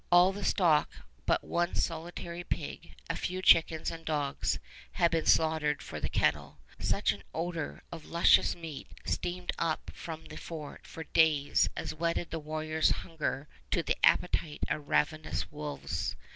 All the stock but one solitary pig, a few chickens and dogs, had been slaughtered for the kettle. Such an odor of luscious meat steamed up from the fort for days as whetted the warriors' hunger to the appetite of ravenous wolves.